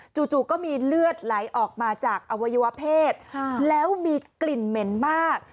จู่ก็มีเลือดไหลออกมาจากอวัยวะเพศแล้วมีกลิ่นเหม็นมาก